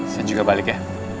saya juga balik ya